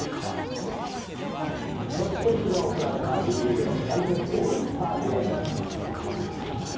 そしてきのう行われたＢリーグの祭典、オールスターゲーム。